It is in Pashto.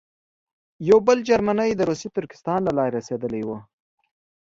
یو بل جرمنی د روسي ترکستان له لارې رسېدلی وو.